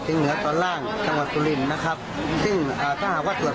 ย้อนดับนะครับว่าอ่าได้ลำเนินการอ่าบ้านตอน